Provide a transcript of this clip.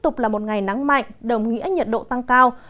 tiếp tục là một ngày nắng mạnh đồng nghĩa nhiệt độ tăng cao